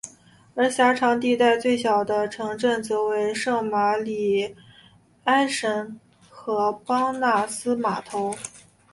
而狭长地带最小的城镇则为圣玛里埃什和邦纳斯码头。